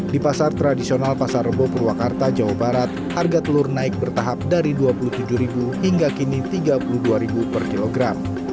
di pasar tradisional pasar rebo purwakarta jawa barat harga telur naik bertahap dari rp dua puluh tujuh hingga kini rp tiga puluh dua per kilogram